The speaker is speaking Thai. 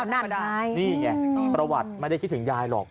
นั่นไงนี่ไงประวัติไม่ได้คิดถึงยายหรอก